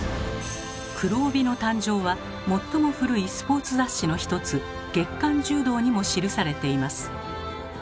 黒帯の誕生は最も古いスポーツ雑誌の一つ「月刊柔道」にも記されています。